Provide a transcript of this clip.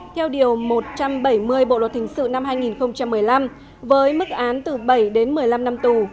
bộ luật thình sự năm hai nghìn một mươi năm với mức án từ bảy đến một mươi năm năm tù